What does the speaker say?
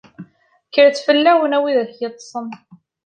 Kkret fell-awen, a widak yeṭṭeṣen!